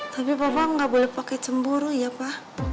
tapi papa enggak boleh pakai cemburu ya pa